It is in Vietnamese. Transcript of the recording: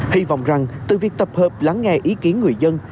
hy vọng rằng từ việc tập hợp lắng nghe ý kiến người dân